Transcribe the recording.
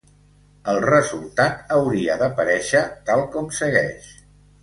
El resultat hauria d'aparèixer tal com segueix.